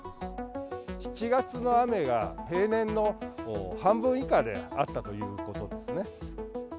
７月の雨が平年の半分以下であったということですね。